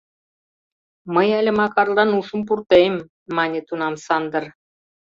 — Мый але Макарлан ушым пуртем, — мане тунам Сандыр.